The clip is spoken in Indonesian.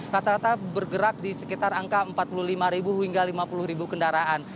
rata rata bergerak di sekitar angka empat puluh lima hingga lima puluh kendaraan